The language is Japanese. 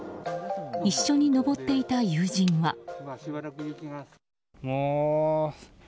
一緒に登っていた友人は。